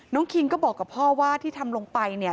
น้องคิงกับพ่อว่าที่ทำลงไปเนี่ย